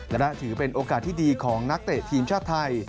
และถือเป็นโอกาสที่ดีของนักเตะทีมชาติไทย